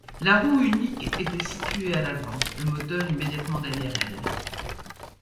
La roue unique était située à l'avant, le moteur immédiatement derrière elle.